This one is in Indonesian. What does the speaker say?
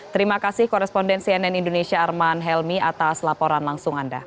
terima kasih koresponden cnn indonesia arman helmi atas laporan langsung anda